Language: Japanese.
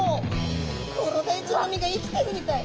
クロダイちゃんの身が生きてるみたい。